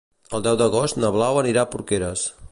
El deu d'agost na Blau anirà a Porqueres.